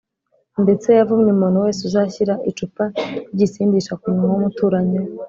. Ndetse yavumye umuntu wese uzashyira icupa ry’igisindisha ku munwa w’umuturanyi we